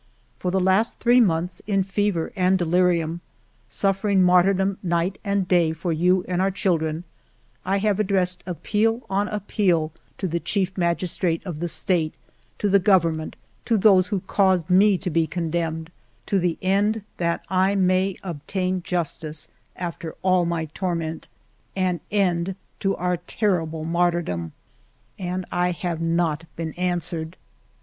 "For the last three months, in fever and de lirium, suffering martyrdom night and day for you and our children, I have addressed appeal on appeal to the Chief Magistrate of the State, to the Government, to those who caused me to be con demned, to the end that I may obtain justice after ail my torment, an end to our terrible martyr dom ; and I have not been answered.